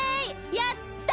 やった！